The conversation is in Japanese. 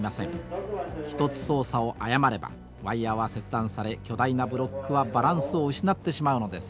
一つ操作を誤ればワイヤーは切断され巨大なブロックはバランスを失ってしまうのです。